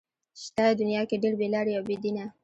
شته دنيا کې ډېر بې لارې او بې دينه